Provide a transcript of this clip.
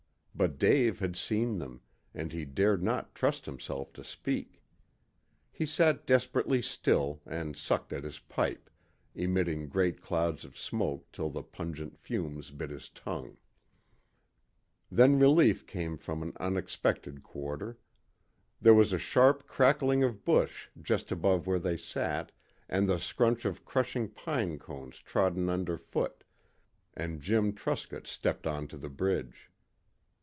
But Dave had seen them, and he dared not trust himself to speak. He sat desperately still and sucked at his pipe, emitting great clouds of smoke till the pungent fumes bit his tongue. Then relief came from an unexpected quarter. There was a sharp crackling of bush just above where they sat and the scrunch of crushing pine cones trodden under foot, and Jim Truscott stepped on to the bridge.